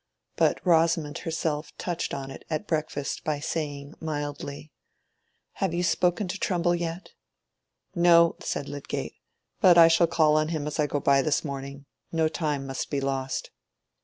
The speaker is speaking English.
But Rosamond herself touched on it at breakfast by saying, mildly— "Have you spoken to Trumbull yet?" "No," said Lydgate, "but I shall call on him as I go by this morning. No time must be lost."